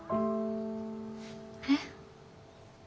えっ？